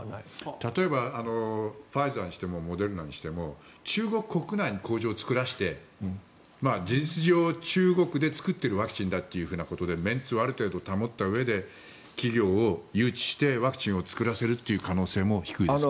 例えばファイザーにしてもモデルナにしても中国国内に工場を作らせて事実上、中国で作っているワクチンだということでメンツをある程度保ったうえで企業を誘致してワクチンを作らせるという可能性も低いですか。